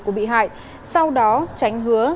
của bị hại sau đó chánh hứa